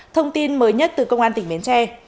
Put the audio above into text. thông tin mới nhất từ công an tỉnh bến tre